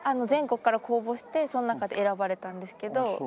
全国から公募してその中で選ばれたんですけど。